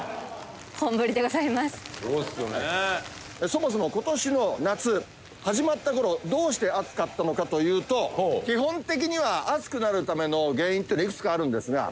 そもそも今年の夏始まった頃どうして暑かったのかというと基本的には暑くなるための原因っていうのはいくつかあるんですが。